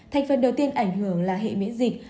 thành phần đầu tiên ảnh hưởng là hệ miễn dịch